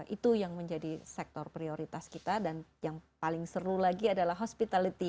itu yang menjadi sektor prioritas kita dan yang paling seru lagi adalah hospitality